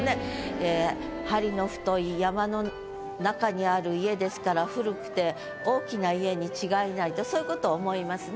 ええ梁の太い山の中にある家ですから古くて大きな家に違いないとそういうことを思いますね。